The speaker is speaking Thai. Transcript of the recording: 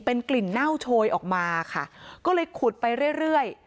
เป็นกลิ่นเน่าโชยออกมาค่ะก็เลยขุดไปเรื่อยเรื่อย